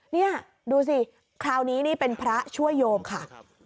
นี่ดูสิคราวนี้นี่เป็นพระช่วยโยมค่ะ